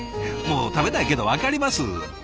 もう食べないけど分かります。